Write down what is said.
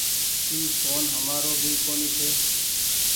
اي ڦون همآرو ڀي ڪونيٚ ڇي ۔